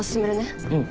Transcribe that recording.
うん。